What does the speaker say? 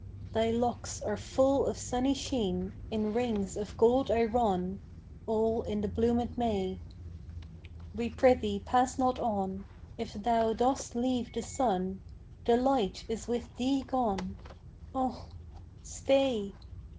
IV Thy locks are full of sunny sheen In rings of gold yronne,[C] All in the bloomèd May, We pri' thee pass not on; If thou dost leave the sun, Delight is with thee gone, Oh! stay.